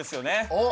あっ。